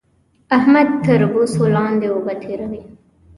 احمد تر بوسو لاندې اوبه تېروي